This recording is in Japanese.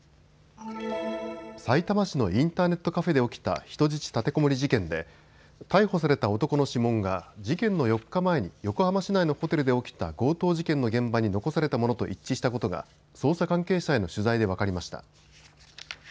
さいたま市のインターネットカフェで起きた人質立てこもり事件で逮捕された男の指紋が事件の４日前に横浜市内のホテルで起きた強盗事件の現場に残されたものと一致したことが捜査関係者への取材で分かりました。